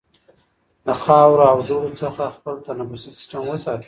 د خاورو او دوړو څخه خپل تنفسي سیستم وساتئ.